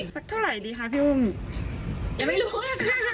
สักเท่าไรดีคะพี่อุ้ม